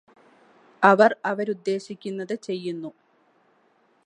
അവര് അവരുദ്ദേശിക്കുന്നത് ചെയ്യുന്നു